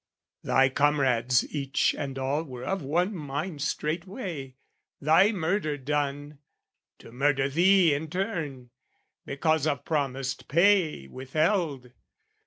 Thy comrades each and all were of one mind Straightway, thy murder done, to murder thee In turn, because of promised pay withheld.